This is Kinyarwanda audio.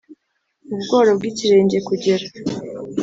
mu bworo bw ikirenge kugera